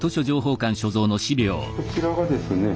こちらがですね